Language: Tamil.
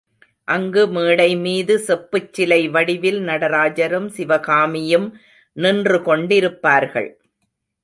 அங்கு மேடை மீது செப்புச்சிலை வடிவில் நடராஜரும் சிவகாமியும் நின்று கொண்டிருப்பார்கள்.